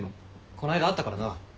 こないだ会ったからな。